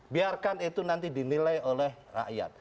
biarkan itu nanti dinilai oleh rakyat